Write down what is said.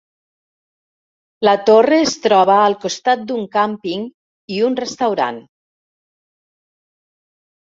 La Torre es troba al costat d'un càmping i un restaurant.